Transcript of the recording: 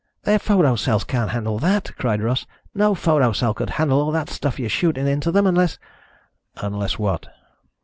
"Their photo cells can't handle that," cried Russ. "No photo cell would handle all that stuff you're shooting at them. Unless ..." "Unless what?"